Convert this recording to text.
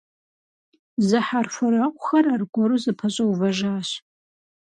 Зэхьэрхуэрэгъухэр аргуэру зэпэщӀэувэжащ.